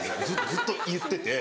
ずっと言ってて。